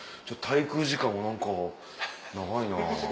滞空時間が何か長いなって。